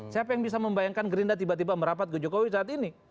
siapa yang bisa membayangkan gerindra tiba tiba merapat ke jokowi saat ini